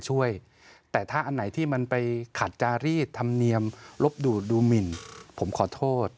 ช่วยแต่ถ้าอันไหนที่มันไปขัดการีดธรรมเนียมลบดูดดูหมินผมขอโทษ